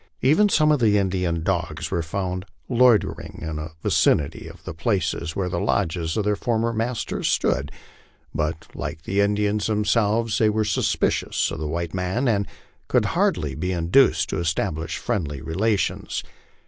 Even some of the Indian dogs were found loiter ing in the vicinity of the places where the lodges of their former masters stood ; but, like the Indians themselves, they were suspicious of the white man, and could hardly be induced to establish friendly relations.